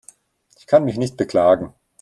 Ich kann mich nicht beklagen.